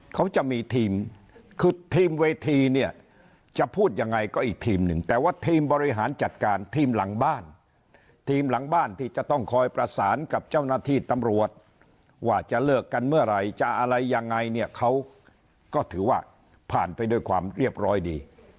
เขาจะมีทีมคือทีมเวทีเนี่ยจะพูดยังไงก็อีกทีมหนึ่งแต่ว่าทีมบริหารจัดการทีมหลังบ้านทีมหลังบ้านที่จะต้องคอยประสานกับเจ้าหน้าที่ตำรวจว่าจะเลิกกันเมื่อไหร่จะอะไรยังไงเนี่ยเขาก็ถือว่าผ่านไปด้วยความเรียบร้อยดี